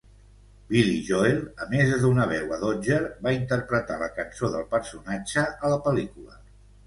Billy Joel, a més de donar veu a Dodger, va interpretar la cançó del personatge a la pel·lícula.